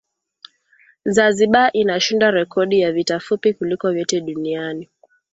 Zanzibar inashika rekodi ya vita fupi kuliko vyote duniani